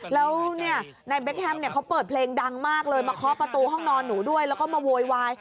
แล้วนายเบคแฮมเขาเปิดเพลงดังมากเลยมาเคาะประตูห้องนอนหนูด้วยแล้วก็มาโวยวาย